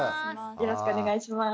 よろしくお願いします。